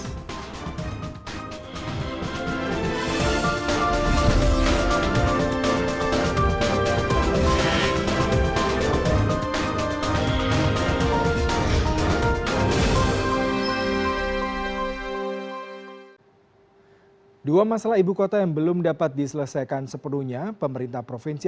hai dua masalah ibukota yang belum dapat diselesaikan sepenuhnya pemerintah provinsi